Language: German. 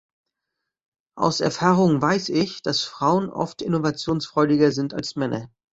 Aus Erfahrung weiß ich, dass Frauen oft innovationsfreudiger sind als Männer.